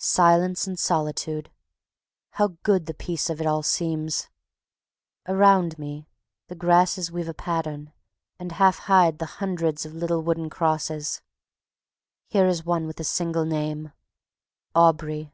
Silence and solitude! How good the peace of it all seems! Around me the grasses weave a pattern, and half hide the hundreds of little wooden crosses. Here is one with a single name: AUBREY.